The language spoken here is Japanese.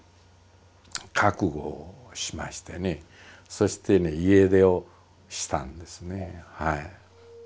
そしてね家出をしたんですね。